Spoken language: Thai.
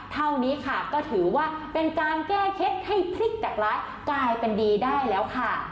เท่านี้ค่ะก็ถือว่าเป็นการแก้เคล็ดให้พลิกจากร้ายกลายเป็นดีได้แล้วค่ะ